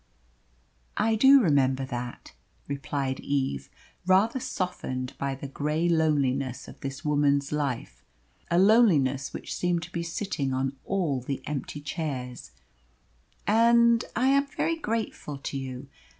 "I do remember that," replied Eve, rather softened by the grey loneliness of this woman's life a loneliness which seemed to be sitting on all the empty chairs "and I am very grateful to you.